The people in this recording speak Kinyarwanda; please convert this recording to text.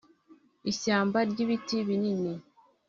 ishyamba ryibiti bini